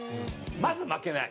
まず負けない。